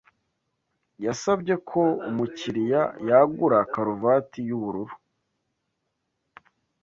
Yasabye ko umukiriya yagura karuvati yubururu.